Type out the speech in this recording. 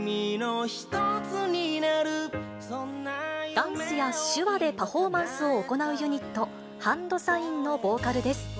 ダンスや手話でパフォーマンスを行うユニット、ＨＡＮＤＳＩＧＮのボーカルです。